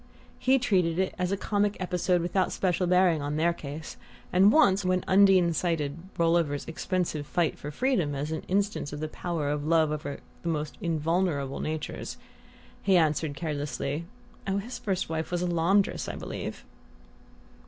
He treated it as a comic episode without special bearing on their case, and once, when Undine cited Rolliver's expensive fight for freedom as an instance of the power of love over the most invulnerable natures, had answered carelessly: "Oh, his first wife was a laundress, I believe."